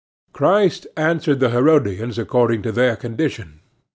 Christ answered the Herodians according to their condition.